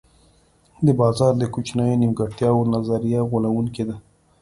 د بازار د کوچنیو نیمګړتیاوو نظریه غولوونکې ده.